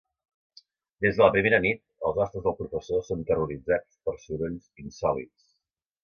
Des de la primera nit, els hostes del professor són terroritzats per sorolls insòlits.